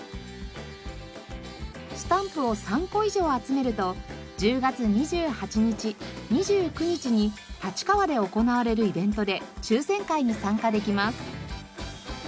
スタンプを３個以上集めると１０月２８日２９日に立川で行われるイベントで抽選会に参加できます。